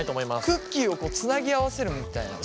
クッキーをつなぎ合わせるみたいな感じですか？